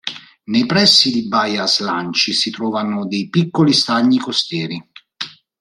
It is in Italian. Nei pressi di baia Slanci si trovano dei piccoli stagni costieri.